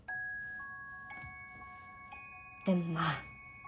でもまぁ。